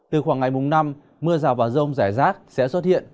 từ khoảng ngày mùng năm mưa rào và rông rải rác sẽ xuất hiện